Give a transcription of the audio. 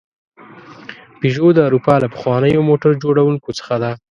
پيژو د اروپا له پخوانیو موټر جوړونکو څخه ده.